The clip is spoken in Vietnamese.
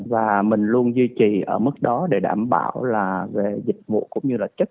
và mình luôn duy trì ở mức đó để đảm bảo là về dịch vụ cũng như là chất